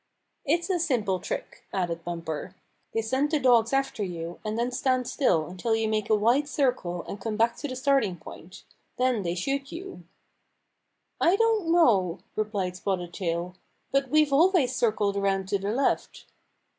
" It's a simple trick," added Bumper. '' They send the dogs after you, and then stand still until you make a wide circle and come back to the starting point. Then they shoot you." " I don't know," replied Spotted Tail. " But we've always circled around to the left."